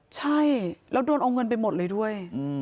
ใช่แล้วโดนเอาเงินไปหมดเลยด้วย